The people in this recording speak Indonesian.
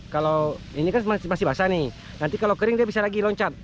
kalau ini kan masih basah nih nanti kalau kering dia bisa lagi loncat